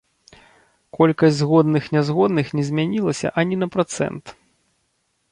Колькасць згодных-нязгодных не змянілася ані на працэнт.